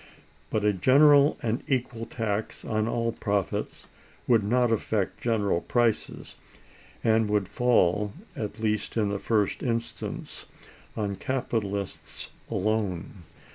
But a general and equal tax on all profits would not affect general prices, and would fall, at least in the first instance, on capitalists alone.